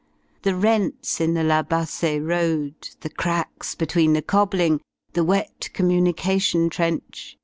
The rents in the La Bassee roady The cracks between the cobbling. The wet communication trench.